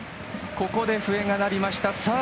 ここで笛が鳴りました。